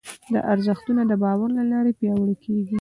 دا ارزښتونه د باور له لارې پياوړي کېږي.